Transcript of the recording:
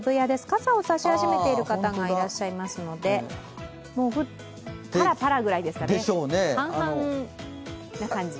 傘を差し始めている方がいらっしゃいますのでパラパラぐらいですかね、半々な感じ。